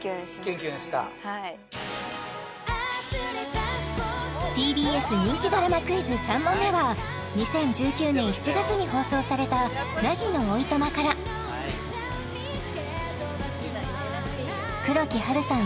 キュンキュンしたＴＢＳ人気ドラマクイズ３問目は２０１９年７月に放送された「凪のお暇」から黒木華さん